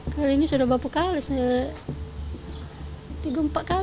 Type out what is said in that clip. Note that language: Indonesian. kali ini sudah bapak alisnya